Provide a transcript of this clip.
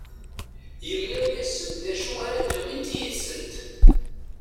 Yemla-asent d acu ara d-awint yid-sent.